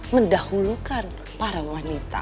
mendahulukan para wanita